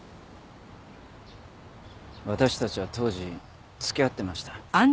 私たちは当時付き合ってました。